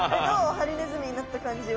ハリネズミになったかんじは。